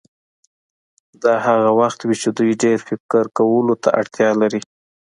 دا هغه وخت وي چې دوی ډېر فکر کولو ته اړتیا لري.